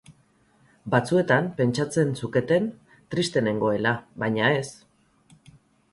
Batzuetan pentsatzen zuketen triste nengoela, baina ez!